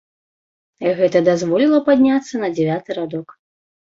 Гэта дазволіла падняцца на дзявяты радок.